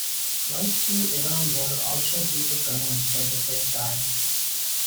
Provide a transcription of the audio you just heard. Flights to Iran were also due to commence by the same time.